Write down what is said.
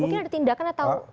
mungkin ada tindakan atau